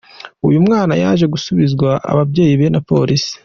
Uyu mwana yaje gusubizwa ababyeyi be na Polisi.